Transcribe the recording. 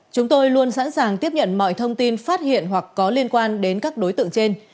chúng tôi luôn sẵn sàng tiếp nhận mọi thông tin phát hiện hoặc có liên quan đến các đối tượng trên